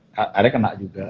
akhirnya kena juga